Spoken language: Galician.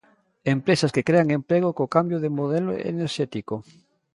Empresas que crean emprego co cambio de modelo enerxético.